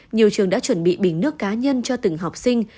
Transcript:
nhiều trường đã chuẩn bị bình nước cá nhân cho từng học sinh